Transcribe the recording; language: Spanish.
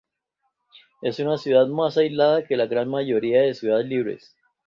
Es una ciudad más aislada que la gran mayoría de Ciudades Libres.